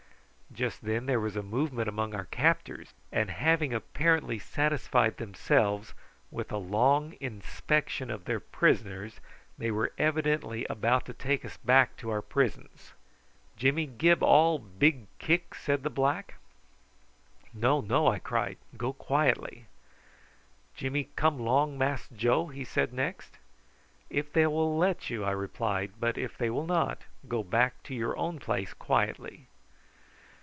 Just then there was a movement among our captors, and having apparently satisfied themselves with a long inspection of their prisoners they were evidently about to take us back to our prisons. "Jimmy gib all big kick?" said the black. "No, no," I cried, "go quietly." "Jimmy come 'long Mass Joe?" he said next. "If they will let you," I replied; "but if they will not, go back to your own place quietly."